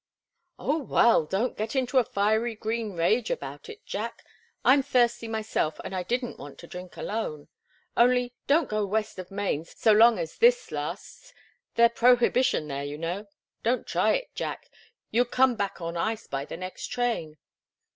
"Oh, well, don't get into a fiery green rage about it, Jack. I'm thirsty myself, and I didn't want to drink alone. Only, don't go west of Maine so long as this lasts. They're prohibition there, you know. Don't try it, Jack; you'd come back on ice by the next train."